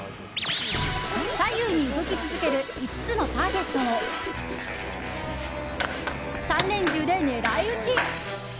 左右に動き続ける５つのターゲットを３連銃で狙い撃ち！